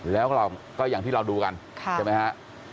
แล้วก็อย่างที่เราดูกันใช่ไหมฮะ